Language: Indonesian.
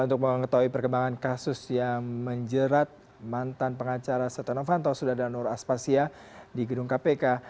untuk mengetahui perkembangan kasus yang menjerat mantan pengacara setanofanto sudadanur aspasya di gedung kpk